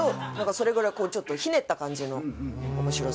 それぐらいひねった感じの面白さ。